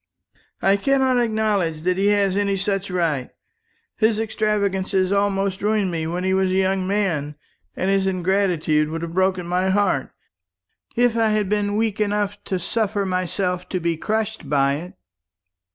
"I cannot acknowledge that he has any such right. His extravagance almost ruined me when he was a young man; and his ingratitude would have broken my heart, if I had been weak enough to suffer myself to be crushed by it."